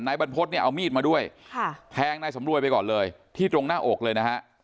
บรรพฤษเนี่ยเอามีดมาด้วยแทงนายสำรวยไปก่อนเลยที่ตรงหน้าอกเลยนะฮะ